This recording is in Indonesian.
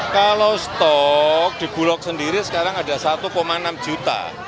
kalau stok di bulog sendiri sekarang ada satu enam juta